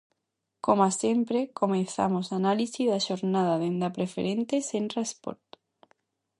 Coma sempre, comezamos a análise da xornada dende a Preferente - Senra Sport.